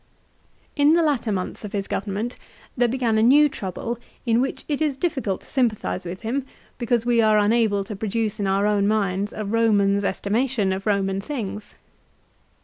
In the latter months of his government there began a new trouble, in which it is difficult to sympathise with him, because we are unable to produce in our own minds a Roman's estimation of Roman things.